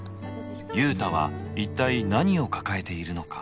雄太は一体何を抱えているのか。